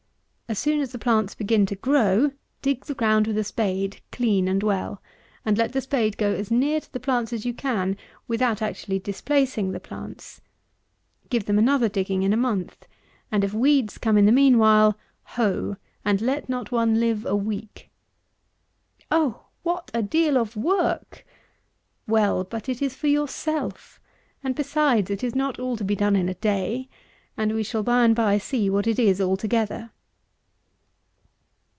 As soon as the plants begin to grow, dig the ground with a spade clean and well, and let the spade go as near to the plants as you can without actually displacing the plants. Give them another digging in a month; and, if weeds come in the mean while, hoe, and let not one live a week. Oh! "what a deal of work!" Well! but it is for yourself, and, besides, it is not all to be done in a day; and we shall by and by see what it is altogether.